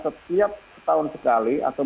setiap setahun sekali atau